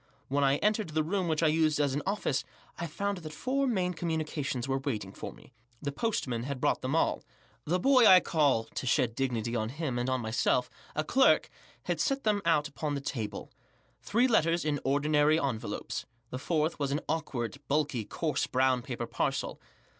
When I entered the room which I used as an office, I found that four communication? were awaiting roe. The postman had brought them all. The boy I call— to shed dignity on him and on myself— a clerk* had $et them out upon the table* Three letters in ordinary envelopes. The fourth was an awkward* bulky* coarse brown paper parcel.